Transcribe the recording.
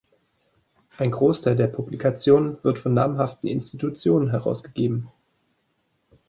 Ein Großteil der Publikationen wird von namhaften Institutionen herausgegeben.